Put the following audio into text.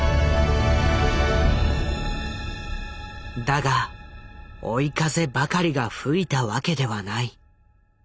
だが追い風ばかりが吹いたわけではない。